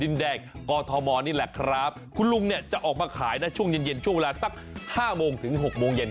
แล้วก็ทำทุกอย่างให้ตัวเองมีความสุขที่ว่าไม่เปลี่ยน